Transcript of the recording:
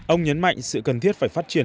ông nhấn mạnh sự cần thiết phải phát triển